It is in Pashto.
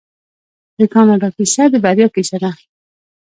د کاناډا کیسه د بریا کیسه ده.